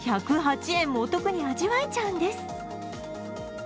１０８円もお得に味わえちゃうんです